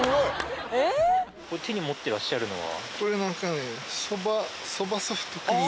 手に持ってらっしゃるのは。